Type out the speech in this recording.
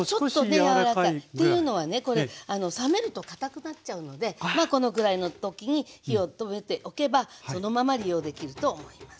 ちょっとやわらかい。っていうのはね冷めると堅くなっちゃうのでこのぐらいの時に火を止めておけばそのまま利用できると思います。